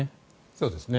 そうですね。